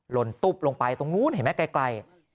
ลนตุ๊บลงไปตรงนู้นเห็นไหมไกล